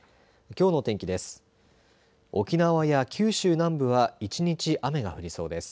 きょうの天気です。